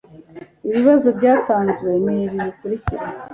ibisubizo byatanzwe ni ibi bikurikira